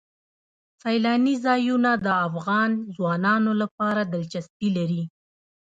سیلانی ځایونه د افغان ځوانانو لپاره دلچسپي لري.